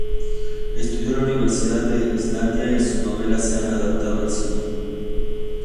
Estudió en la Universidad de Islandia y sus novelas se han adaptado al cine.